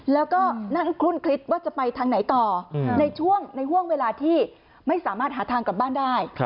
แล้วก็นั่งคลุ่นคิดว่าจะไปทางไหนต่อในช่วงในห่วงเวลาที่ไม่สามารถหาทางกลับบ้านได้